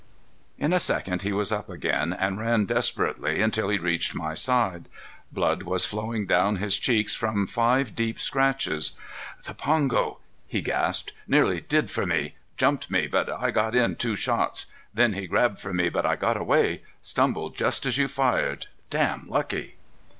In a second he was up again, and ran desperately until he reached my side. Blood was flowing down his cheeks from five deep scratches. "The pongo," he gasped. "Nearly did for me. Jumped me, but I got in two shots. Then he grabbed for me but I got away. Stumbled just as you fired. Damn lucky."